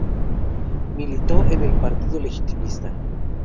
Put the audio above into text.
Militó en el partido "legitimista".